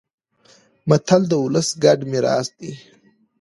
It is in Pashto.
متل د ولس ګډ میراث دی